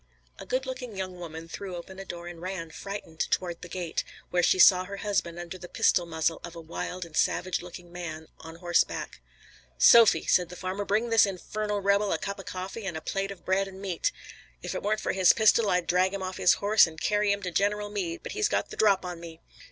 A good looking young woman threw open a door and ran, frightened, toward the gate, where she saw her husband under the pistol muzzle of a wild and savage looking man on horseback. "Sophy," said the farmer, "bring this infernal rebel a cup of coffee and a plate of bread and meat. If it weren't for his pistol I'd drag him off his horse and carry him to General Meade, but he's got the drop on me!"